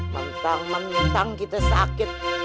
mentang mentang kita sakit